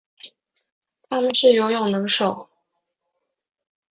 它们是游泳能手。